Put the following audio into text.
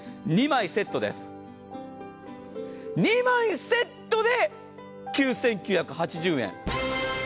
２枚セットで９９８０円。